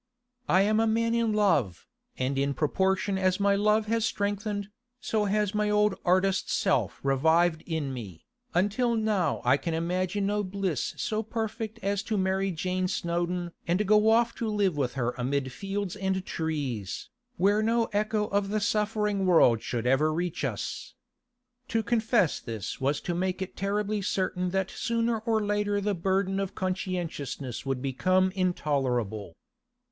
I am a man in love, and in proportion as my love has strengthened, so has my old artist self revived in me, until now I can imagine no bliss so perfect as to marry Jane Snowdon and go off to live with her amid fields and trees, where no echo of the suffering world should ever reach us.' To confess this was to make it terribly certain that sooner or later the burden of conscientiousness would become intolerable.